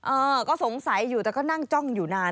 เออก็สงสัยอยู่แต่ก็นั่งจ้องอยู่นาน